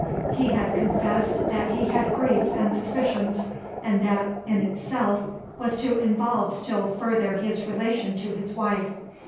He had confessed that he had griefs and suspicions, and that, in itself, was to involve still further his relation to his wife.